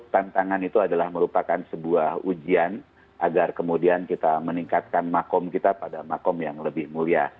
tantangan itu adalah merupakan sebuah ujian agar kemudian kita meningkatkan makom kita pada makom yang lebih mulia